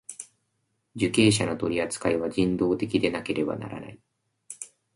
受刑者の取扱いは人道的でなければならない。